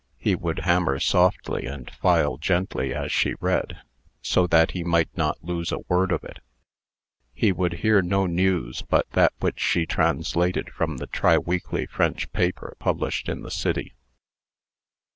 He would hammer softly and file gently as she read, so that he might not lose a word of it. He would hear no news but that which she translated from the triweekly French paper published in the city.